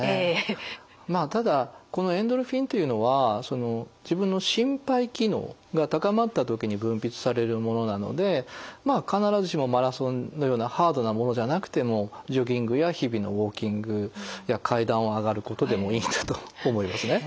まあただこのエンドルフィンというのは自分の心肺機能が高まった時に分泌されるものなので必ずしもマラソンのようなハードなものじゃなくてもジョギングや日々のウォーキングや階段を上がることでもいいんだと思いますね。